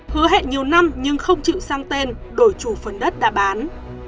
hứa hẹn nhiều năm nhưng không chịu sang tên đổi chủ phần đất đã bán